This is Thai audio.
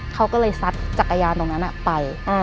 เขาก็เลยซัดจักรยานตรงนั้นไป